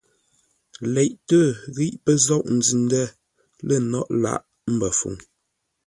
Leʼtə́ ghíʼ pə́ zôʼ nzʉ-ndə̂ lə̂ nôghʼ lâʼ Mbəfuŋ.